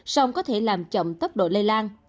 song có thể làm chậm tốc độ lây lan